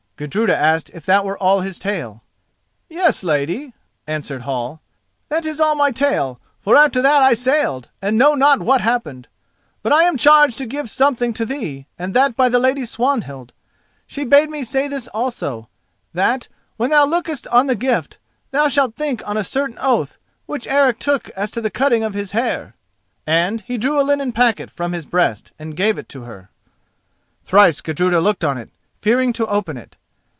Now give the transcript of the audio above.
Gudruda asked if that was all his tale. "Yes, lady," answered Hall, "that is all my tale, for after that I sailed and know not what happened. But I am charged to give something to thee, and that by the Lady Swanhild. She bade me say this also: that, when thou lookest on the gift, thou shouldst think on a certain oath which Eric took as to the cutting of his hair." And he drew a linen packet from his breast and gave it to her. Thrice Gudruda looked on it, fearing to open it.